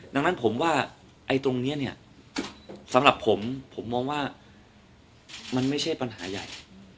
ดังนั้นผมว่าไอ้ตรงนี้เนี่ยสำหรับผมผมมองว่ามันไม่ใช่ปัญหาใหญ่